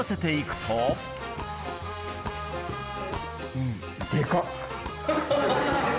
うん、でかっ！